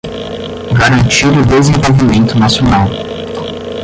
garantir o desenvolvimento nacional;